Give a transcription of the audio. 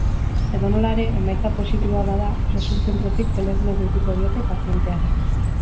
Edonola ere, emaitza positiboa bada, osasun zentrotik telefonoz deituko diote pazienteari.